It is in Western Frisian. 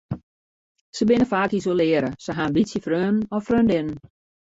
Se binne faak isolearre, se ha in bytsje freonen of freondinnen.